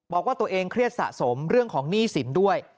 บอกว่าตัวเองเครียดสะสมเรื่องของหนี้สินด้วย